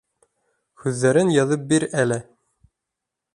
Һүҙҙәрен яҙып бир әле.